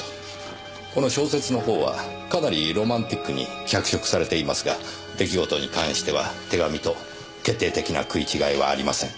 この小説の方はかなりロマンティックに脚色されていますが出来事に関しては手紙と決定的な食い違いはありません。